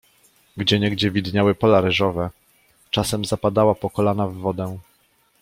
Gdzieniegdzie widniały pola ryżowe, czasem zapadała po kolana w wodę.